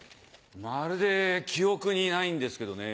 まるで記憶にないんですけどね。